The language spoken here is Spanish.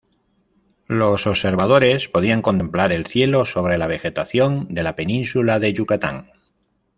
Los observadores podían contemplar el cielo sobre la vegetación de la península de Yucatán.